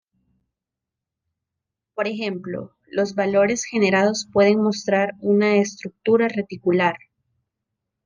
Por ejemplo, los valores generados pueden mostrar una estructura reticular.